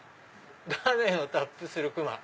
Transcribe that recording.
「画面をタップするクマ！」。